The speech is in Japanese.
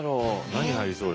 何入りそう？